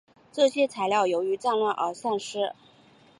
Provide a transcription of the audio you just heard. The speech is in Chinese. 这些材料由于战乱而散失。